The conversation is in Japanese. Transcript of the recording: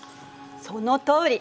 そのとおり。